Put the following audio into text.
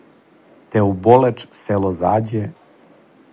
Те у Болеч село зађе,